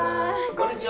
こんにちは。